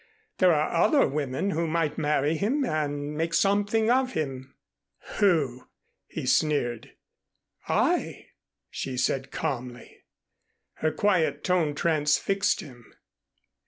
There are other women who might marry him and make something of him." "Who?" he sneered. "I," she said calmly. Her quiet tone transfixed him.